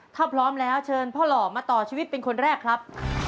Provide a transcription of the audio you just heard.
ถ้าพร้อมแล้วเชิญพ่อหล่อมาต่อชีวิตเป็นคนแรกครับ